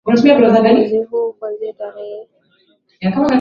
hata kwa mwezi huu wa kwanza tangu tarehe ya kwanza